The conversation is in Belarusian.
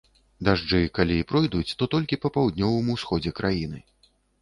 Дажджы, калі і пройдуць, то толькі па паўднёвым усходзе краіны.